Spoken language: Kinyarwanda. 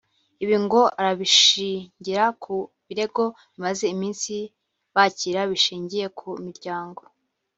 Ibi ngo arabishingira ku birego bimaze iminsi bakira bishingiye ku miryango